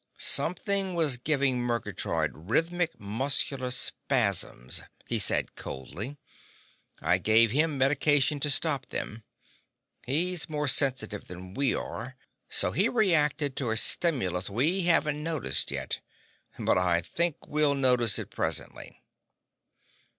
"Something was giving Murgatroyd rhythmic muscular spasms," he said coldly. "I gave him medication to stop them. He's more sensitive than we are, so he reacted to a stimulus we haven't noticed yet. But I think we'll notice it presently."